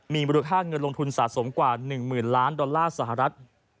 มีมูลค่าเงินลงทุนสะสมกว่า๑๐๐๐ล้านดอลลาร์สหรัฐ